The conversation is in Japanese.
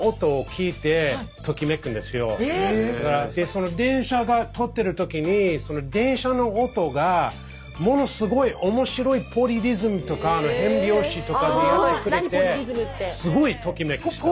だから時々電車が通ってる時に電車の音がものすごい面白いポリリズムとか変拍子とかになってくれてすごいときめきました。